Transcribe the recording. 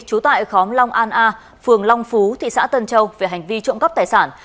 trú tại khóm long an a phường long phú thị xã tân châu về hành vi trộm cắp tài sản